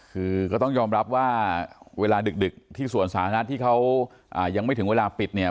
คือก็ต้องยอมรับว่าเวลาดึกที่สวนสาธารณะที่เขายังไม่ถึงเวลาปิดเนี่ย